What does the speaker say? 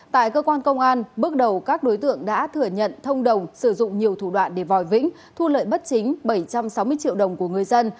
tại cơ quan công an bước đầu các đối tượng đã thừa nhận thông đồng sử dụng nhiều thủ đoạn để vòi vĩnh thu lợi bất chính bảy trăm sáu mươi triệu đồng của người dân